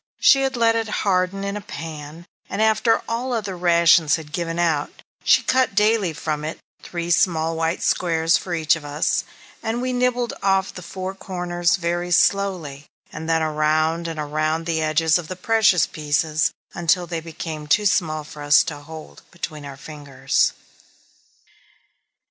She had let it harden in a pan, and after all other rations had given out, she cut daily from it three small white squares for each of us, and we nibbled off the four corners very slowly, and then around and around the edges of the precious pieces until they became too small for us to hold between our fingers.